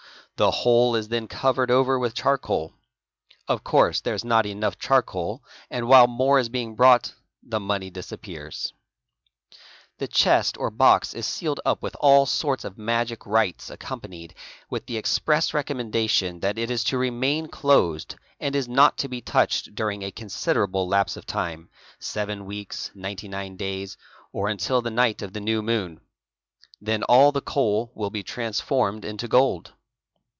The whole is then covered over with charcoal. Of course there is not enough charcoal and while more is being brought the money disappears. The chest or box is sealed up with all sorts of magic 'rites accompanied with the express recommendation that it is to remain ¢ osed and is not to be touched during a considerable lapse of time (seven weeks, ninety nine days, or until the night of the new moon) ; then all the coal will be transformed into gold.